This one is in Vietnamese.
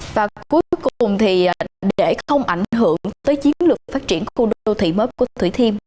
và cuối cùng thì để không ảnh hưởng tới chiến lược phát triển của đô thị mới của thú thiêm